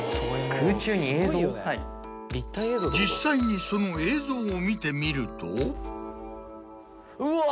実際にその映像を見てみると。